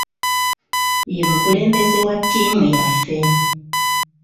Ye mukulembeze wa ttiimu yaffe.